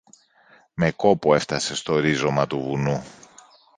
Με κόπο έφθασε στο ρίζωμα του βουνού